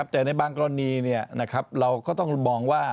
แต่ในบางกรณีเราก็ต้องมองว่า